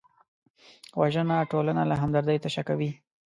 وژنه ټولنه له همدردۍ تشه کوي